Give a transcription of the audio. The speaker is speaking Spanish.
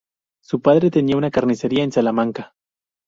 Su padre tenía una carnicería en Salamanca.